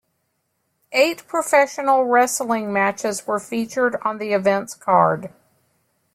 Eight professional wrestling matches were featured on the event's card.